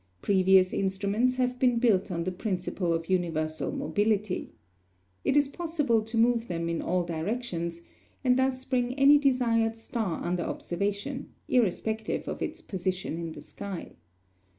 Previous instruments have been built on the principle of universal mobility. It is possible to move them in all directions, and thus bring any desired star under observation, irrespective of its position in the sky.